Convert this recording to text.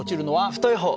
太い方！